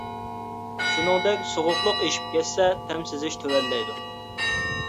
شۇنىڭدەك سوغۇقلۇق ئېشىپ كەتسە تەم سىزىش تۆۋەنلەيدۇ.